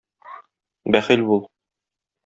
Бәхил бул...